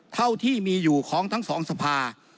เท่าที่มีอยู่ของทั้งสองสภา